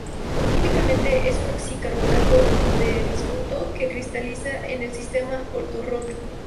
Químicamente es un oxi-carbonato de bismuto, que cristaliza en el sistema ortorrómbico.